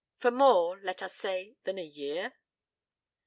For more, let us say, than a year?"